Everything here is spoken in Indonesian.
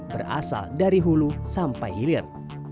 berasal dari hulu sampai hilir